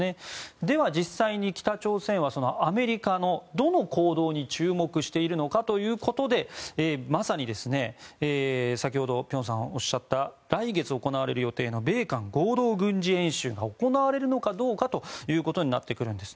では、実際に北朝鮮はアメリカのどの行動に注目しているのかということでまさに先ほど辺さんがおっしゃった来月行われる予定の米韓合同軍事演習が行われるのかどうかということになってくるんです。